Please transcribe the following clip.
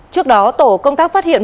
trước đó tổ công tác phát hiện